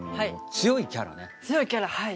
強いキャラはい。